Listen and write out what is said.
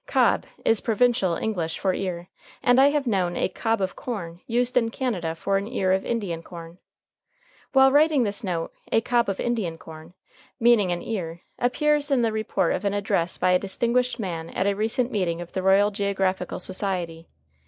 Cob is provincial English for ear, and I have known "a cob of corn" used in Canada for an ear of Indian corn. While writing this note "a cob of Indian corn " meaning an ear appears in the report of an address by a distinguished man at a recent meeting of the Royal Geographical Society.